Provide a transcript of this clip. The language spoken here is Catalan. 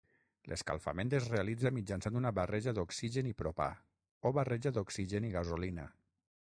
L'escalfament es realitza mitjançant una barreja d'oxigen i propà, o barreja d'oxigen i gasolina.